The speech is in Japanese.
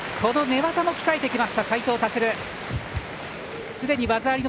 寝技も鍛えてきました、斉藤立。